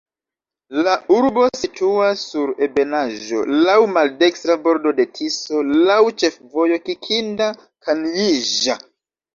La urbo situas sur ebenaĵo, laŭ maldekstra bordo de Tiso, laŭ ĉefvojo Kikinda-Kanjiĵa.